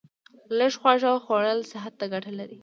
لږ خواړه خوړل صحت ته ګټه لري